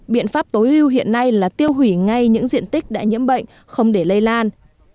biện pháp tối ưu hiện nay là tiêu hủy ngay những diện tích đã nhiễm bệnh không để lây lan